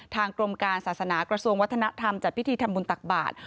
ทางกรมการศาสนากระทรวงวัฒนธรรมจัดพิธีทำบุญตักบาท